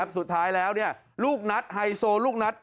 สุดท้ายแล้วลูกนัดไฮโซลูกนัด